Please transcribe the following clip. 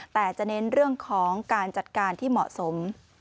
แต่จะเน้นเรื่องของการจัดการที่เหมาะสม